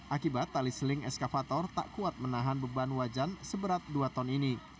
akibat tali seling eskavator tak kuat menahan beban wajan seberat dua ton ini